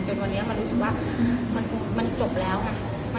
วันนี้มันรู้สึกว่ามันจบแล้วค่ะ